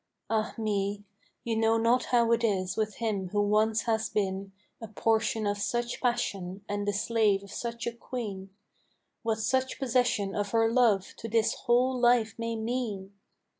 Ah me! you know not how it is with him who once has been A portion of such passion and the slave of such a queen; What such possession of her love to his whole life may mean!